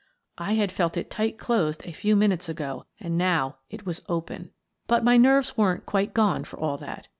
I had felt it tight closed a few minutes ago and now it was open. But my nerves weren't quite gone, for all that.